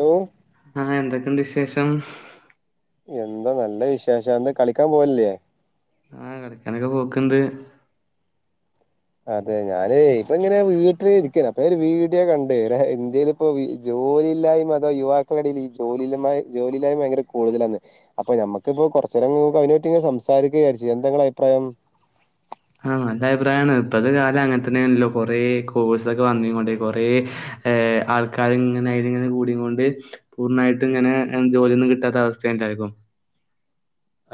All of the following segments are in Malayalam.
ഹലോ ആഹ് എന്തൊക്കെണ്ട് വിശേഷം എന്താ നല്ല വിശേഷാ എന്താ കളിക്കാൻ പോലില്ലേ ആഹ് കളിക്കാനൊക്കെ പോക്ക്ണ്ട് അതെ ഞാന് ഇപ്പ ഇങ്ങനെ വീട്ടിൽ ഇരിക്കേനി അപ്പൊ ഒരു വീഡിയോ കണ്ട് ഇന്ത്യയില് ഇപ്പൊ ഈ ജോലിയില്ലായ്മ അതോ യുവാക്കളുടെടയിൽ ഈ ജോലില്ലമായ് ജോലിയില്ലായ്മ ഭയങ്കര കൂടുതലാാണ് അപ്പൊ നമ്മക്ക്പ്പോ കൊർച്ചേരം ങ്ങനെ അയിനെ പറ്റി സംസാരിക്കാ ന്ന് വിചാരിച്ച് എന്താ നിങ്ങളെ അഭിപ്രായം ആഹ് നല്ല അഭിപ്രായാണ് ഇപ്പത്തെ കാലം അങ്ങനെത്തന്നെയണല്ലോ കൊറെ കോഴ്സൊക്കെ വന്നു കൊണ്ട് കൊറേ ഏഹ് ആൾകാരിങ്ങനെ അയിലിങ്ങനെ കൂടി കൊണ്ട് പൂർണ്ണായിട്ടും ഇങ്ങനെ ജോലിയൊന്നും കിട്ടാത്ത അവസ്ഥയ ഉണ്ടായേക്കും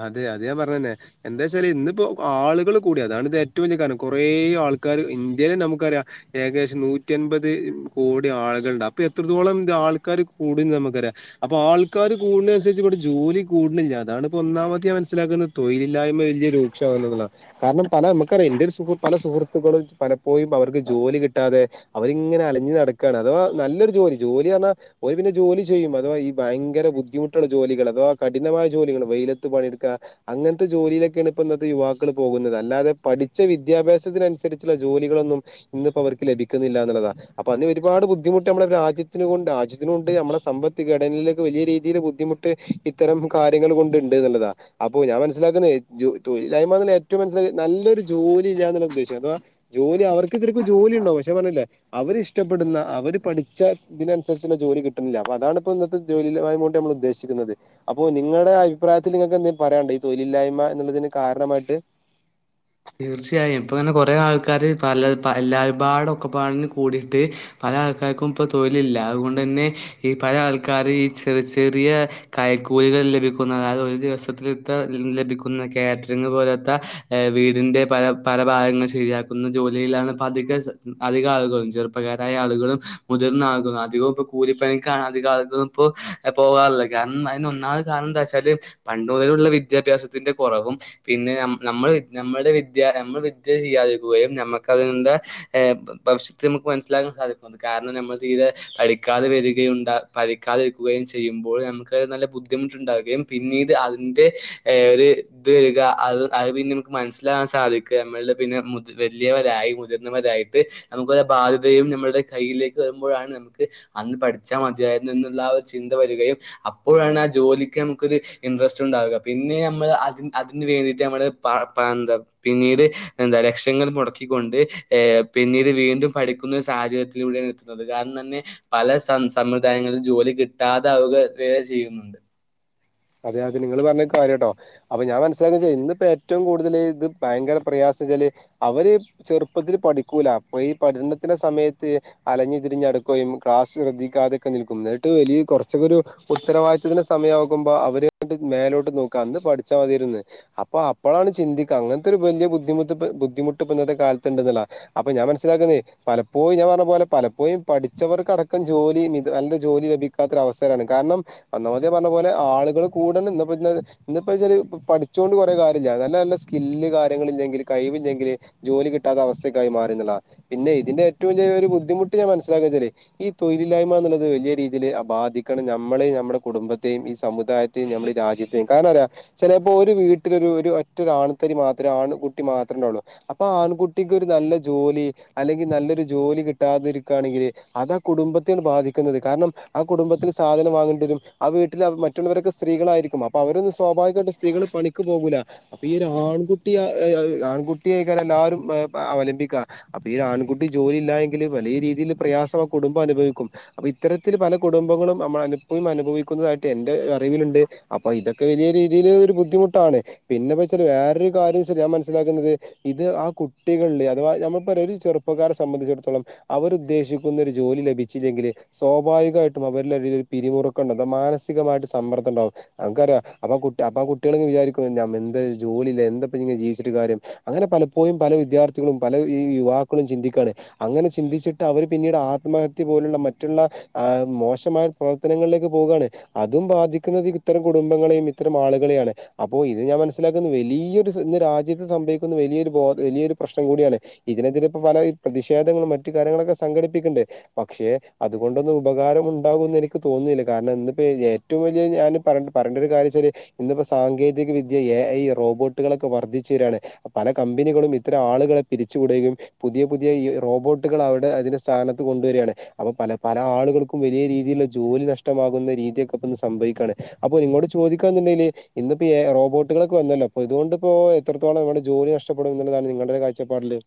അതെ അതെ ഞാൻ പർഞ്ഞെന്നെ എന്താ വെച്ചാല് ഇന്നിപ്പോ ആളുകള് കൂടിയ അതാണിത് ഏറ്റവും വലിയ കാരണം കുറേ ആൾക്കാർ ഇന്ത്യയിലെ നമുക്കറിയാം ഏകദേശം നൂറ്റി അൻപത് കോടി ആളുകൾണ്ട് അപ്പൊ എത്രത്തോളം ഇതാൾക്കാര് കൂടും ന്ന് നമുക്കറിയാം അപ്പൊ ആൾക്കാര് കൂടുന്ന അനുസരിച്ച് ഇവിടെ ജോലി കൂടുന്നില്ല അതാണ് ഇപ്പ ഒന്നാമത്തെ ഞാൻ മനസ്സിലാക്കുന്നത് തൊഴിലില്ലായ്മ വലിയ രൂക്ഷമാന്നുള്ളതാ കാരണം പല നമുക്കറിയാം ഇന്റൊരു പല സുഹൃത്തുക്കളും പലപ്പോഴും അവർക്ക് ജോലി കിട്ടാതെ അവരിങ്ങനെ അലഞ്ഞ് നടക്കാണ് അഥവാ നല്ലൊരു ജോലി ജോലി ന്ന് പറഞ്ഞാൽ ഓല് പിന്നെ ജോലി ചെയ്യും അഥവാ ഈ ഭയങ്കര ബുദ്ധിമുട്ടുള്ള ജോലികൾ അഥവാ കഠിനമായ ജോലികളും വെയിലത്ത് പണിട്ക്കാ അങ്ങനത്തെ ജോലിയിലൊക്കെയാണ് ഇപ്പ ഇന്നത്തെ യുവാക്കൾ പോകുന്നത് അല്ലാതെ പഠിച്ച വിദ്യാഭ്യാസത്തിനനുസരിച്ചുള്ള ജോലികളൊന്നും ഇന്നിപ്പോ അവർക്ക് ലഭിക്കുന്നില്ലാ എന്നുള്ളതാ അപ്പൊ അതിന് ഒരുപാട് ബുദ്ധിമുട്ട് നമ്മളെ രാജ്യത്തിനുവുണ്ട് രാജ്യത്തിനും ഉണ്ട് നമ്മളെ സമ്പത്ത് ഘടനയിലൊക്കെ വലിയ രീതിയില് ബദ്ധിമു ട്ട് ഇത്തരം കാര്യങ്ങൾ കൊണ്ട്ണ്ട് എന്നുള്ളതാ അപ്പൊ ഞാൻ മനസ്സിലാക്കുന്നത് ജോ ജോ തൊഴിലില്ലായ്മ ഏറ്റവും മനസ്സിലാക്ക നല്ലൊരു ജോലിയില്ലാ എന്നുള്ള ഉദ്ദേശം അഥവാ ജോലി അവർക്ക് ഇതിരിക്കും ജോലി ഉണ്ടോ പക്ഷേ പറഞ്ഞില്ലേ അവരി ഇഷ്ടപ്പെടുന്ന അവര് പഠിച്ച ഇതിനനുസരിച്ചുള്ള ജോലി കിട്ടുന്നില്ല അപ്പൊ അതാാണ്പ്പ ഇന്നത്തെ തൊഴിലില്ലായ്മ കൊണ്ട് നമ്മൾ ഉദ്ദേശിക്കുന്നത് അപ്പോ നിങ്ങളുടെ അ ഭിപ്രായത്തിൽ നിങ്ങക്ക് എന്തേം പറയാണ്ടോ ഈ തൊഴിലില്ലായ്മ എന്നുള്ളതിന് കാരണമായിട്ട് തീർച്ചയായും ഇപ്പങ്ങനെ കൊറെ ആൾക്കാര് പല പ എല്ലാരും പാടെ ഒക്കെപാടാണ്ട് കൂടിയിട്ട് പല ആൾക്കാര്ക്കും ഇപ്പൊ തൊഴിലില്ല അതുകൊണ്ടെന്നെ ഈ പലെ ആൾക്കാര് ഈ ചെർ ചെറിയ കൈക്കൂലികൾ ലഭിക്കുന്ന അതായത് ഒരു ദിവസത്തില് ഇത്ര ലഭിക്കുന്ന കാറ്ററിംഗ പോലോത്ത വീ ടിന്റെ പല പല ഭാഗങ്ങൾ ശെരിയാക്കുന്ന ജോലിയിലാണ് ഇപ്പധിക അധിക ആളുകളും ചെർപ്പക്കാരായ ആളുകളും മുതിർന്ന ആളുകളും അധികം പ്പൊ കൂലിപ്പണിക്കാണ് അധിക ആളുകളും പ്പൊ പോകാറുള്ളത് കാരണം അതിനൊന്നാ കാരണെന്താച്ചാല് പണ്ട് മുതലുള്ള വിദ്യാഭ്യാസത്തിന്റെ കൊറവും പിന്നെ നമ്മ് നമ്മള് നമ്മുടെ വിദ്യ നമ്മള് വിദ്യ ചെയ്യാതിരിക്കുകയും നമ്മക്ക്തിനിന്റെ ഏഹ് ഭവിഷ്യത്ത് നമ്മക്ക് മനസ്സിലാക്കാൻ സാധിക്കും കാരണം നമ്മള് തീരെ പഠിക്കാതെ വെരികയും ന്താ പഠിക്കാതെരിക്കുകയും ചെയ്യുമ്പോൾ നമ്മക്കത് നല്ല ബുദ്ധിമുട്ടുണ്ടാവുകയും പിന്നീട് അതിന്റെ ഒരു ഇത് വരിക അത് അത് പിന്നെ മൻസ്സിലാകാൻ സാധിക്ക നമ്മളിൽ പിന്നെ വെല്യവരായി മുതിർന്നവരായിട്ട് നമുക്കോരോ ബാധ്യതയും നമ്മളുടെ കയ്യിലേക്ക് വെരുമ്പോഴാണ് നമ്മക്ക് അന്ന് പഠിച്ചാ മതിയായിരുന്നു എന്നുള്ള ആ ഒരു ചിന്ത വരികയും അപ്പോഴാണ് ആ ജോലിക്ക് നമുക്കൊരു ഇൻട്രസ്റ്റ് ഉണ്ടാവുക പിന്നെ നമ്മള് അത് അതിന്ന് വേണ്ടിട്ട് നമ്മള് പാർ പനന്തം പിന്നീട് എന്താ ലക്ഷങ്ങൾ മുടക്കിക്കൊണ്ട് ഏ പിന്നീട് വീണ്ടും പഠിക്കുന്നൊരു സാഹചര്യത്തിലൂടെണ് എത്തി അത് കാരണം തന്നെ പല സ സമ്പ്രദായങ്ങളിൽ ജോലി കിട്ടാതാവുക വെരെ ചെയ്യുന്നുണ്ട് അതെ അതെ നിങ്ങള് പർഞ്ഞത് കാര്യാട്ടോ അപ്പൊ ഞാൻ മനസ്സിലാക്കുന്നത് ഇന്നിപ്പോ ഏറ്റവും കൂടുതല് ഇത് ഭയങ്കര പ്രയാസച്ചാല് അവര് ചെറുപ്പത്തിൽ പഠിക്കൂല അപ്പൊ ഈ പഠനത്തിന്റെ സമയത്ത് അലഞ്ഞു തിരിഞടക്കുകയും ക്ലാസ് ശ്രദ്ധിക്കാതൊക്കെ നിൽക്കും ന്ന്ട്ട് വെലിയ കൊർച്ചൊക്കൊരു ഉത്തരവാദിത്തത്തിന് സമയാകുമ്പോ അവരങ്ങട്ട് മേലോട്ട് നോക്കാ അന്ന് പഠിച്ചാ മതിര്ന്ന് അപ്പൊ അപ്പളാണ് ചിന്തിക്ക അങ്ങൻത്തൊരു വെല്യ ബുദ്ധിമുട്ട് പ്പൊ ബുദ്ധിമുട്ട് പ്പൊ ഇന്നത്തെ കാലത്ത്ണ്ട്ന്ന്ള്ളതാണ് അപ്പൊ ഞാൻ മനസ്സിലാക്കുന്നേ പലപ്പോയും ഞാൻ പറഞ്ഞ പോലെ പലപ്പോയും പഠിച്ചവർക്കടക്കം ജോലിയും ഇത് നല്ലൊരു ജോലി ലഭി ക്കാത്തൊരൊവസ്ഥേലാണ് കാരണം അന്നാദ്യം പർഞ്ഞ പോലെ ആളുകൾ കൂട്ണ് ഇന്ന് പ്പൊ ന്ന് ഇന്ന് പ്പൊച്ചാല് പഠിച്ചോണ്ട് കൊറെ കാര്യല്ല നല്ല നല്ല സ്കില്ല് കാര്യങ്ങളില്ലെങ്കില് കഴിവില്ലെങ്കില് ജോലി കിട്ടാത്ത അവസ്ഥക്കായി മാറി ന്ന്ള്ളതാണ് പിന്നെ ഇതിന്റെ ഏറ്റവും വെല്യൊരു ബുദ്ധിമുട്ട് ഞാൻ മനസ്സിലാക്കുന്നെച്ചാലെ ഈ തൊഴിലില്ലായ്മ ന്ന്ള്ളത് വെല്യ രീതില് ബാധിക്ക്ണ നമ്മളേം നമ്മളെ കുടുംബത്തെയും ഈ സ് സമുദായത്തെയും നമ്മുടെ രാജ്യത്തെയും കാരണാരാ ചെലേപ്പൊ ഒരു വീട്ടിലൊരു ഒരു ഒറ്റൊരു ആണുത്തരി മാത്രേ ആണ് കുട്ടി മാത്രേ ണ്ടാവൊള്ളു അപ്പാൺകുട്ടിക്ക് ഒരു നല്ല ജോലി അല്ലെങ്കി നല്ലൊരു ജോലി കിട്ടാതെരിക്കാണെങ്കില് അതാ കുടുംബത്തെണ് ബാധിക്കുന്നത് കാരണം ആ കുടുംബത്തിന് സാധനം വാങ്ങണ്ടി വെരും ആ വീട്ടില് അ മറ്റ് റ്റുള്ളവരൊക്ക സ്ത്രീളായിരിക്കും അപ്പൊ അവരൊന്നും സ്വാഭാവികായിട്ട് സ്ത്രീകള് പണിക്ക് പോകൂല്ല അപ്പൊ ഈ ഒരു ആൺകുട്ടി ആൺകുട്ട്യേക്കാരം എല്ലാരും അവലംബിക്കാ അപ്പൊ ഈ ആൺകുട്ടി ജോലി ഇല്ലായെങ്കില് വലിയ രീതില് പ്രയാസം ആ കുടുംബം അനുഭവിക്കും അപ്പൊ ഇത്തരത്തില് പല കുടുംബങ്ങളും [unintelligible] അനുഭവിക്കുന്നതായിട്ടെ ന്റെ അറിവില്ണ്ട് അപ്പൊ ഇതൊക്കെ വലിയ രീതില് ഒരു ബുദ്ധിമുട്ടാണ് പിന്നെപ്പെച്ചാല് വേറൊരു കാര്യംച്ചാ ഞാൻ മനസിലാക്കുന്നത് ഇത് ആ കുട്ടികളില് അഥവാ നമ്മളെപ്പോലെ ഒരു ചെറുപ്പക്കാരെ സംബന്ധിച്ചിടത്തോളം അവരുദ്ദേശിക്കുന്നൊരു ജോലി ലഭിച്ചില്ലെങ്കില് സ്വാഭാവികമായിട്ടും അവരിലൊര് പിരിമുറുക്കണ്ടല്ലൊ മാനസികായിട്ട് സമ്മർദ്ദണ്ടാവും നമുക്കറിയാ അപ്പൊ കുട്ട അപ്പം കുട്ട്യാള് വിചാരിക്കും എന്ത് ജോലിലെ എന്താപ്പൊങ്ങനെ ജീവിച്ചിട്ട് കാര്യം അങ്ങനെ പലപ്പോഴും പല വിദ്യാർത്ഥികളും പല ഈ യുവാക്കളും ചിന്തിക്കാണ് അങ്ങനെ ചിന്തിച്ചിട്ട് അവര് പിന്നീട് ആത്മഹത്യ പോലുള്ള മറ്റുള്ള ആ മോശമായ പ്രവർത്തനങ്ങളിലേക്ക് പോകാണ് അതും ബാധിക്കുന്നത് ഇത്തരം കുടുംബങ്ങളെയും ഇത്തരം ആളുകളെയാണ് അപ്പോ ഇത് ഞാൻ മനസ്സിലാക്കുന്ന് വലിയൊരു ഇന്ന് രാജ്യത്ത് സംഭവിക്കുന്ന വലിയൊരു ബോധ വലിയൊരു പ്രശ്നം കൂടിയാണ് ഇതിനെതിരെ ഇപ്പ പല ഈ പ്രതിഷേധങ്ങളും മറ്റു കാര്യങ്ങളൊക്കെ സംഘടിപ്പിക്കണ്ടേ പക്ഷെ അതുകൊണ്ടൊന്നും ഉപകാരം ഉണ്ടാകുംന്ന് എനിക്ക് തോന്നുന്നില്ല കാരണം ഇ ഏറ്റോം വല്ല്യേ ഞാൻ പറ പറേണ്ടൊര് കാര്യച്ചാല് ഇന്ന്പ്പൊ സാങ്കേതിക വിദ്യ എ ഐ റോബോട്ടുകളൊക്കെ വർദ്ധിച്ച് വെരാണ് പല കമ്പനികളും ഇത്തരം ആള്കളെ പിരിച്ചു വിട്കയും പുതിയ പുതിയ ഈ റോബോട്ടുകള് അവടെ അതിന് സ്ഥാനത്ത് കൊണ്ടുവരാണ്. അപ്പ പല പല ആള്കൾക്കും വലിയ രീതീയിൽ ജോലി നഷ്ടമാകുന്ന രീ തിയെക്കെ ഇപ്പോ സംഭവിക്കാണ് അപ്പ നിങ്ങോട് ചോദിക്കാന്നുണ്ടെല് ഇന്ന്പ്പൊ എ റോബോട്ടുകളൊക്കെ വന്നല്ലോ അപ്പോ ഇതുകൊണ്ടിപ്പോ എത്രത്തോളം നമ്മടെ ജോലി നഷ്പ്പെടും എന്നുള്ളതാണ് നിങ്ങളുടെ ഒര് കാഴ്ചപ്പാടില്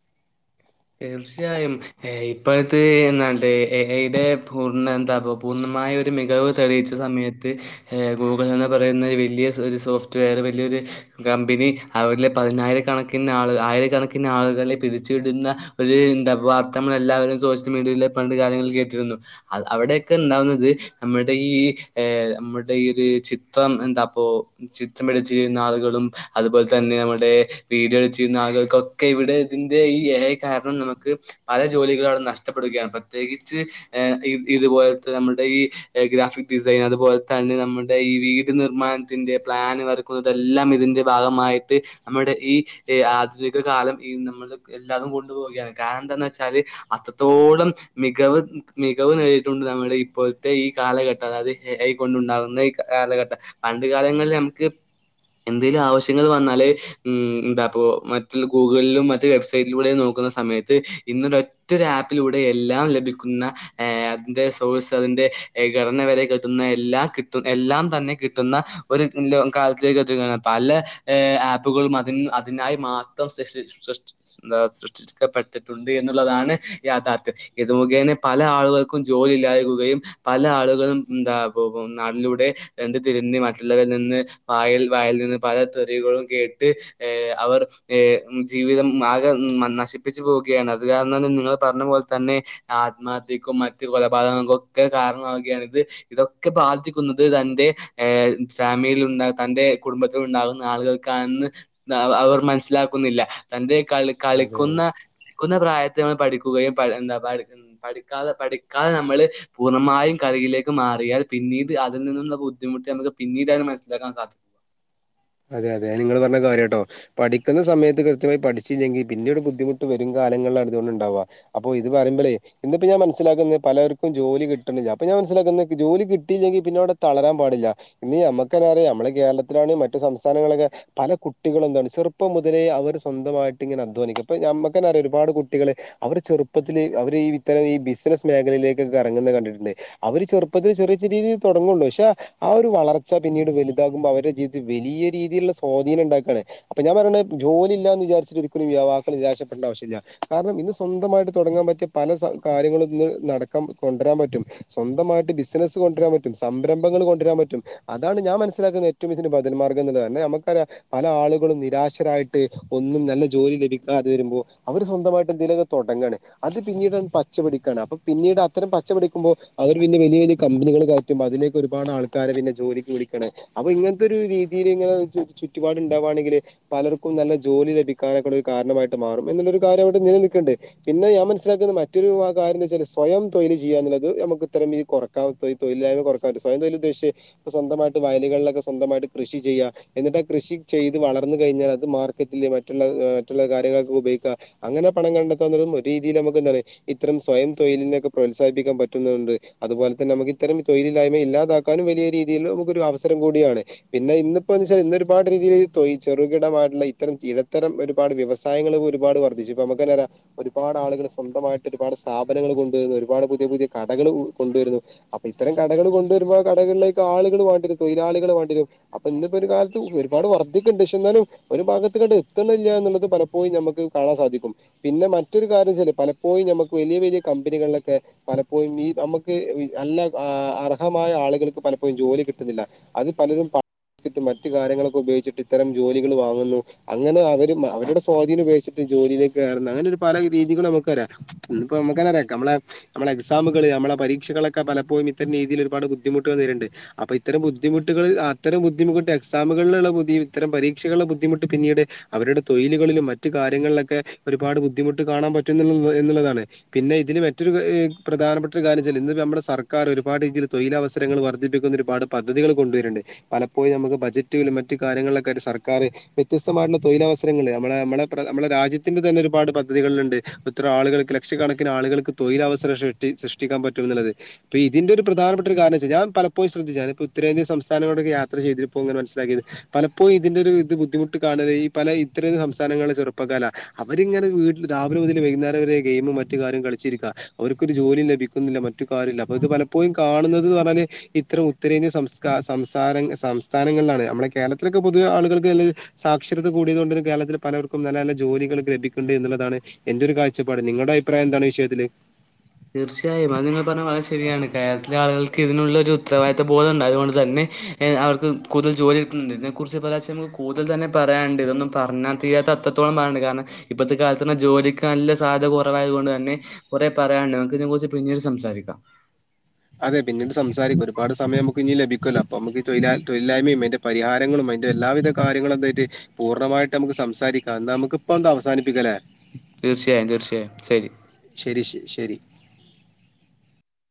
തീർച്ചയായും ഏഹ് ഇപ്പോഴത്തെ എന്താ എ ഐ ടെ പൂർണ എന്താപ്പ പൂർണ്ണമായ ഒരു മികവ് തെളിയിച്ച സമയത്ത് ഏഹ് ഗൂഗിൾ എന്ന് പറയ്ന്ന വല്ല്യ ഒരു സോഫ്റ്റ് വെയറ് വല്ല്യോര് കമ്പനി അവരിലെ പതിനായിര കണക്കിന് ആൾ ആയിരക്കണക്കിന് ആളുകളെ പിരിച്ചുവിട്ന്ന ഒര് എന്താ വാർത്ത നമ്മളെല്ലാവരും സോഷ്യൽ മീഡിയയിൽ പണ്ട് കാലങ്ങളിൽ കേട്ടിര്ന്നു. അത് അവടെക്കെ ഇണ്ടാവുന്നത് നമ്മടെ ഈ ഏഹ് നമ്മടെ ഈ ഒര് ചിത്രം എന്താപ്പോ ചിത്രംവരച്ചിര്ന്ന ആള്കളും അത്പോലെ തന്നെ നമ്മടെ വീഡിയോ എട്ത്തിര്ന്ന ആള്കക്കൊക്കെ ഇവിടെ ഇതിന്റെ ഈ എ കാരണം നമക്ക് പല ജോലികളാണ് നഷ്ടപ്പെടുകയാണ് പ്രത്യേകിച്ച് ഏഹ് ഇത് ഇതുപോലത്തെ നമ്മടെ ഈഹ് ഗ്രാഫിക് ഡിസൈൻ അതുപോലെ തന്നെ നമ്മൾടെ ഈ വീട് നിർമ്മാണത്തിന്റെ പ്ലാന് വ ക്കുന്നതെല്ലാം ഇതിന്റെ ഭാഗമായിട്ട് നമ്മുടെ ഈ ആധുനിക കാലം ഈ നമ്മള് എല്ലാവതും കൊണ്ടുപോവുകയാണ് കാരണം എന്താന്ന് വെച്ചാല് അത്രത്തോളം മികവ് മികവ് നേടിട്ടുണ്ട് നമ്മുടെ ഇപ്പോഴത്തെ ഈ കാലഘട്ടം അതായത് എ ഐ കൊണ്ടുണ്ടാകുന്ന ഈ കാലഘട്ടം പണ്ട് കാലങ്ങളില് നമുക്ക് എന്തേലും ആവശ്യങ്ങള് വന്നാല് ഉം എന്താ ഇപ്പോ മറ്റ് ഗൂഗിളിലും മറ്റ് വെബ്സൈറ്റിലൂടെ നോ ക്കുന്ന സമയത്ത് ഇന്നൊരൊറ്റ ആപ്പിലൂടെ എല്ലാം ലഭിക്കുന്ന ഏഹ് അതിന്റെ സോഴ്സ് അതിന്റെ ഘടന വെരേ കിട്ടുന്ന എല്ലാം കിട്ടും എല്ലാം തന്നെ കിട്ടുന്ന ഒരു കാലത്തേക്ക് എത്തിക്കയാണ് പല ഏഹ് ആപ്പുകളും അതി അതിനായി മാത്രം സൃഷ്ടിച്ചു സൃഷിച്ച് സൃഷ്ടിക്കപ്പെട്ടിട്ടുണ്ട് എന്നുള്ളതാണ് യാഥാർഥ്യം ഇത് മുഖേനെ പല ആളുകൾക്കും ജോലി ഇല്ലാതാകുകയും പല ആളുകളും എന്താപ്പൊ പ്പോ നാട്ടിലൂടെ തെണ്ടിത്തിരിഞ്ഞ് മറ്റുള്ളവരിൽ നിന്ന് വായിൽ വായിൽ നിന്ന് പല തെറികളും കേട്ട് ഏഹ് അവർ ഏഹ് ഉം ജീവിതം ആകെ നശി പ്പിച്ച് പോവുകയാണ് അത് കാരണന്നൊന് നിങ്ങൾ പറഞ്ഞ പോലത്തന്നെ ആത്മഹത്യക്കും മറ്റ് കൊലപാതകങ്ങക്കൊക്കെ കാരണമാവുകയാണ് ഇത് ഇതൊക്കെ ബാധിക്കുന്നത് തന്റെ ഏഹ് ഫാമിൽ ഉണ്ടാ തന്റെ കുടുംബത്തിൽ ഉണ്ടാകുന്ന ആളുകൾക്കാണെന്ന് എന്താ അവർ മനസ്സിലാക്കുന്നില്ല തന്റെ കളി അതെ കളിക്കുന്ന ക്കുന്ന പ്രായത്ത് നമ്മൾ പഠിക്കുകയും പ എന്താ പ പഠിക്കാതെ പഠിക്കാതെ നമ്മള് പൂർണമായും കളിയിലേക്ക് മാറിയാൽ പിന്നീട് അതിൽ നിന്നുള്ള ബുദ്ധിമുട്ട് നമുക്ക് പിന്നീടാണ് മനസ്സിലാക്കാൻ സാധി അതെ അതെ അത് നിങ്ങള് പർഞ്ഞത് കാര്യാട്ടോ പഠിക്ക്ന്ന സമയത്ത് കൃത്യമായി പഠിച്ചില്ലെങ്കിൽ പിന്നീട് ബുദ്ധിമുട്ട് വെരും കാലങ്ങളിലാണ് അതുകൊണ്ട് ഇണ്ടാവാ അപ്പൊ ഇത് പറയമ്പുളേ ഇന്ന്പ്പോ ഞാൻ മനസ്സിലാക്കുന്നത് പലർക്കും ജോലി കിട്ട്ണില്ല അപ്പൊ ഞാൻ മനസിലാക്കുന്ന ജോലി കി കിട്ടയില്ലെങ്കി പിന്ന അവ്ടെ തളരാൻ പാടില്ല ഇന്ന് നമ്മക്കെന്നറിയാ നമ്മള് കേരളത്തിലാണ് മറ്റ് സംസ്ഥാനങ്ങളൊക്കെ പല കുട്ടികളും എന്താണ് ചെറുപ്പം മുതലേ അവര് സ്വന്തമായിട്ട് ഇങ്ങനെ അധ്വാനിക്ക ഇപ്പൊ ഞമ്മക്കെന്നറിയാ ഒര്പാട് കുട്ടികള് അവര് ചെറുപ്പത്തില് അവര് ഈ ഇത്തരം ഈ ബിസിനസ് മേഖലയിലേക്കൊക്കെ എറങ്ങ്ന്ന കണ്ടിട്ട്ണ്ട്. അവര് ചെറുപ്പത്തിൽ ചെറിയ ചെറിയ രീതീയിലേ തൊടങ്ങൊള്ളൂ പക്ഷെ ആ ഒരു വളർച്ച പിന്നീട് വലുതാകുമ്പോ അവരെ ജവിത ത്തിൽ വലിയ രീതിയില്ള്ള സ്വാധീനം ഇണ്ടാക്കാണ് അപ്പ ഞാം പറയ്ണത് ജോലി ഇല്ലാന്ന് വിചാരിച്ച്ട്ട് ഒരിക്കലും യുവാക്കൾ നിരാശപ്പെടണ്ട ആവശ്യമില്ല കാരണം ഇന്ന് സ്വന്തമായിട്ട് തൊടങ്ങാൻ പറ്റിയ പല സ കാര്യങ്ങളും ഇന്ന് നടക്കാം കൊണ്ടരാം പറ്റും സ്വന്തമായിട്ട് ബിസിനസ്സ് കൊണ്ട്രാം പറ്റും സംരംഭങ്ങള് കൊണ്ട്ര പറ്റും അതാണ് ഞാൻ മനസ്സിലാക്കുന്നത് ഏറ്റവും നല്ലൊരു ബധൽ മാർഗംന്ന്ള്ളത് കാരണം നമ്മക്കറിയ പല ആളുകളും നിരാശരായിട്ട് ഒന്നും നല്ല ജോലി ലഭിക്കാതെ വരുമ്പോൾ അവര് സ്വന്തമായിട്ടു എന്തേലുവൊക്കെ തൊടങ്ങാണ് അത് പിന്നീടാണ്ട് പച്ച പിടിക്കാണ് അപ്പൊ പിന്നീട് അത്തരം പച്ച പിടിക്കുമ്പോൾ അവർ പിന്നെ വലിയ വലിയ കമ്പനികൾ കയ റ്റുമ്പോ അതിലേക്ക് ഒരുപാട് ആൾക്കാരെ പിന്നെ ജോലിക്ക് വിളിക്കാണ് അപ്പൊ ഇങ്ങനെ ത്തെ ഒരു രീതിയില് ഇങ്ങനെ ചുറ്റുപാട് ഇണ്ടാവാണെങ്കില് പലർക്കും നല്ല ജോലി ലഭിക്കാനൊക്കെ ഇള്ളൊരു കാരണമായിട്ട് മാറും എന്നുള്ളൊരു കാര്യം അവിടെ നിലനിൽക്ക്ണ്ട് പിന്നെ ഞാൻ മനസിലാക്കുന്ന മറ്റൊരു [unintelligible] കാര്യം എന്ന് വെച്ചാല് സ്വയം തൊഴില് ചെയ്യാന്നുള്ളത് നമ്മക്ക് ഇത്തരം കുറ ക്കാം തൊയ് തൊയിലില്ലായ്മ കൊറക്കാൻ പറ്റും സ്വയം തൊഴിൽ ഉദ്ദേശിച്ചെ ഇപ്പൊ സ്വന്തമായിട്ട് വയലുകളിലൊക്കെ സ്വന്തമായിട്ട് കൃഷി ചെയ്യാം എന്നിട്ട് ആ കൃഷി ചെയ്ത് വളർന്നു കഴിഞ്ഞാൽ അത് മാർക്കറ്റില് മറ്റുള്ള മറ്റുള്ള കാര്യങ്ങൾക്കൊക്കെ ഉപയോഗിക്കാം അങ്ങനെ പണം കണ്ടെത്തുന്നതും ഒരു രീതിയില് നമുക്ക് എന്താണ് ഇത്തരം സ്വയം തൊഴിലിനെ ഒക്കെ പ്രോത്സാഹിപ്പിക്കാൻ പറ്റുന്നുണ്ട് അതുപോലെ തന്നെ നമുക് ഇത്തരം തൊഴിലില്ലായ്മയെ ഇല്ലതാ ക്കാനും വലിയ രീതിയില് നമുക്കൊരു അവസരം കൂടിയാണ് പിന്നെ ഇന്നിപ്പോ എന്ന് വെച്ചാൽ ഇന്ന് ഒരുപാട് രീതിയില് തൊയ് ചെറുകിടമായിട്ടുള്ള ഇത്തരം ഇടത്തരം ഒരു ഒരുപാട് വ്യവസായങ്ങള് ഒരുപാട് വർധിച്ച് ഇപ്പ നമുക്കന്നറിയാം ഒരുപാട് ആളുകൾ സ്വന്തമായിട്ട് ഒരുപാട് സ്ഥാപനങ്ങൾ കൊണ്ടുവരുന്നു ഒരുപാട് പുതിയ പുതിയ കടകൾ കൊണ്ടുവരുന്നു അപ്പം ഇത്തരം കടകൾ കൊണ്ടുവരുമ്പോ ആ കടകളിലേക്ക് ആളുകൾ വാണ്ടി വരും തൊഴിലാളികള് വാണ്ടി അപ്പൊ ഇന്നിപ്പോ ഒരു കാലത്ത് ഒരുപാട് വർധിക്ക്‌ണ്ട് പക്ഷേ ഇന്നാലും ഒരു ഭാഗത്ത്ക്കാട്ട് എത്ത്ണില്ല എന്നുള്ളത് പലപ്പോ ഴും ഞ്ഞമ്മക്ക് കാണാൻ സാധിക്കും പിന്നെ മറ്റൊരു കാര്യംന്ന് വെച്ചാല് പലപ്പോഴും നമുക്ക് വലിയ വലിയ കമ്പനികളിലൊക്കെ പലപ്പോഴും ഈ നമുക്ക് നല്ല അർഹമായ ആളുകൾക്ക് പലപ്പോഴും ജോലി കിട്ടുന്നില്ല അത് പലരും പണമടച്ചിട്ടും മറ്റു കാര്യങ്ങളൊക്കെ ഉപയോഗിച്ചിട്ട് ഇത്തരം ജോലികൾ വാങ്ങുന്നു അങ്ങനെ അവര് അവരുടെ സ്വാധീനം ഉപയോഗിച്ചിട്ട് ജോലിയിലേക്ക് കയറുന്ന അങ്ങനെ ഒരു പല രീതികളും നമുക്ക് അറിയാം ഇന്ന്പ്പോ നമ്മക്കന്നറിയാം നമ്മളെ നമ്മളെ എക്സാമുകള് നമ്മടെ പരീക്ഷകളൊക്കെ പലപ്പോഴും ഇത്തരം രീതിയിൽ ഒരുപാട് ബുദ്ധിുട്ടുകൾ നേരിട്ണ്ട് അപ്പ ഇത്തരം ബുദ്ധിമു ട്ടുകള് അത്തരം ബുദ്ധിമുട്ട് എക്സാമുകളില് ഇള്ള ഇത്തരം പരീക്ഷകള് ബുദ്ധിമുട്ട് പിന്നീട് അവരുടെ തൊഴിലുകളിലും മറ്റു കാര്യങ്ങളിലൊക്കെ ഒരുപാട് ബുദ്ധിമുട്ട് കാണാൻ പറ്റുന്നു എന്നുള്ളതാണ് പിന്നെ ഇതിന് മറ്റൊരു പ്രധാനപ്പെട്ട ഒരു കാര്യച്ചാല് ഇന്ന് നമ്മടെ സർക്കാർ ഒരുപാട് രീതിയിൽ തൊഴിലവസരങ്ങൾ വർദ്ധിപ്പിക്കുന്നൊരു ഒരുപാട് പദ്ധതികൾ കൊണ്ടുവര്ണ്ട് പലപ്പോഴും നമുക്ക് ബജറ്റുകളും മറ്റു കാര്യങ്ങളിലൊക്കെ ആയിട്ട് സർക്കാർ വ്യത്യസ്തമായിട്ടുള്ള തൊഴില് അവസരങ്ങള് നമ്മളെ നമ്മളെ നമ്മുടെ രാജ്യത്തിന്റെ തന്നെ ഒരുപാട് പദ്ധതികളുണ്ട് ഇപ്പ ഇത്ര ആളുകൾക്ക് ലക്ഷക്കണക്കിന് ആളുകൾക്ക് തൊഴിലവസരം സൃഷ്ടി സൃഷ്ടിക്കാൻ പറ്റുംന്നുള്ളത് ഇപ്പ ഇതിന്റെ ഒരു പ്രാനപ്പെട്ട ഒരു കാരണംന്ന് വെച്ചാല് ഞാൻ പലപ്പോഴും ശ്രദ്ധിച്ചാണ് ഉത്തരേന്ത്യൻ സംസ്ഥാനങ്ങളിലൂടെക്കെ യാത്ര ചെയ്തപ്പൊക്കെ ഇങ്ങനെ മനസിലാക്കിയത് പലപ്പോയും ഇതിന്റെ ഒരു ഇത് ബുദ്ധിമുട്ട് കാണുന്നത് ഈ പല ഉത്തരേന്ത്യൻ സംസ്ഥാനങ്ങളിലെ ചെറുപ്പക്കാര അവരിങ്ങനെ വീട്ടിൽ രാവിലെ മുതൽ വൈകുന്നേരം വരെ ഗെയിമും മറ്റ് കാര്യം കളിച്ചിരിക്ക അവർക്കൊരു ജോലിയും ലഭിക്കുന്നില്ല മറ്റു കാര്യമില്ല അപ്പൊ ഇത് പലപ്പോഴും കാണുന്നത് പറഞ്ഞാല് ഇത്തരം ഉത്തരേന്ത്യൻ സംസ്ഥാ സംസ്കര സംസാരങ്ങ് സംസ്ഥാനങ്ങളിലാണ് നമ്മുടെ കേരളത്തിലൊക്കെ പൊതുവെ ആളുകൾക്ക് അല്ലേ സാക്ഷരത കൂടിയതുകൊണ്ട് കേരളത്തിൽ പലവർക്കും നല്ല നല്ല ജോലികൾ ലഭിക്കുന്നുണ്ട് എന്നുള്ളതാണ് എന്റൊരു കാഴ്ചപ്പാട് നിങ്ങടെ അഭിപ്രായമെന്താണ് ഈ വിഷയത്തില് തീർച്ചയായും അത് നിങ്ങൾ പറഞ്ഞെ വളരെ ശെരിയാണ് കേരളത്തിലെ ആളുകൾക്ക് ഇതിനുള്ളോരു ഉത്തരവാദിത്ത ബോധം ഉണ്ടായതുകൊണ്ട് തന്നെ അവർക്ക് കൂടുതൽ ജോലി കിട്ടുന്നുണ്ട് ഇതിനെക്കുറിച്ച് പറയാർച്ച നമുക്ക് കൂടുതൽ തന്നെ പറയുണ്ട് ഇതൊന്നും പറഞ്ഞാ തീരത്താ എത്രത്തോളം പറയണ്ട് കാരണം ഇപ്പഴത്തെ കാലത്ത് ജോലിക്ക് നല്ല സാധ്യത കൊറവായതുകൊണ്ട് തന്നെ കൊറെ പറ പറയാണ്ട് നമക്ക് ഇതിനെ കുറിച്ച് പിന്നീട് സംസാരിക്കാം. അതെ പിന്നീട് സംസാരിക്കും ഒരുപാട് സമയം നമുക്ക് ഇനിമ് ലഭിക്കുവല്ലോ അപ്പോ നമുക്ക് തൊ തൊഴിലായ്മയും അയിന്റെ പരിഹാരങ്ങളും അതിന്റെ എല്ലാവിധ കാര്യങ്ങളും എന്തായിട്ട് പൂർണ്ണമായിട്ട് നമുക്ക് സംസാരിക്കാം എന്നാ നമുക് ഇപ്പ എന്താ അവസാനിപ്പിക്കാല്ലേ? തീർച്ചയായും തീർച്ചയായും ശെരി ശെരി ശ് ശെരി